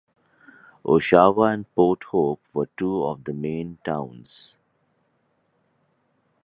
Oshawa and Port Hope were two of the main towns.